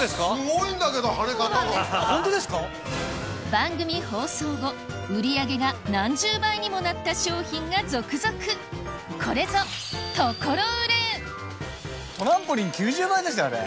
番組放送後売り上げが何十倍にもなった商品が続々これぞトランポリン９０倍ですよあれ。